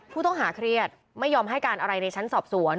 ผู้ต้องหาเครียดไม่ยอมให้การอะไรในชั้นสอบสวน